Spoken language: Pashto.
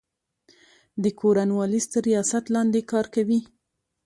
د کورن والیس تر ریاست لاندي کار کوي.